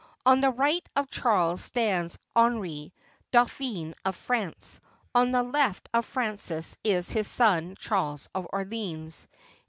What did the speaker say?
On the right of Charles stands Henri, Dauphin of France. On the left of Francis is his son Charles of Orleans.